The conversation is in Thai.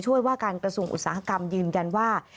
ว่าการกระทรวงอุตสาหกรรมยืนยันว่า